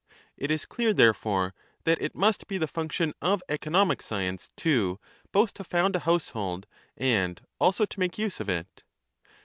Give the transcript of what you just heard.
It is clear, therefore, that it must be the function of economic science too both to found a household and also to make use of it.